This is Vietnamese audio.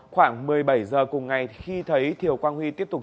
khoảng một mươi bảy h cùng ngày khi thấy thiều quang huy tiếp tục